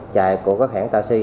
chạy của các hãng taxi